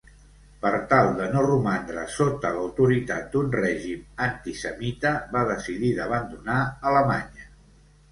Per tal de no romandre sota l'autoritat d'un règim antisemita, va decidir d'abandonar Alemanya.